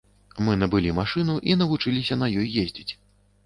Мы набылі машыну і навучыліся на ёй ездзіць.